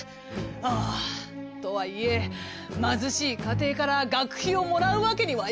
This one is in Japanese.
『あとはいえ貧しい家庭から学費をもらうわけにはいかない。